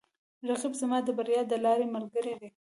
رقیب زما د بریا د لارې ملګری دی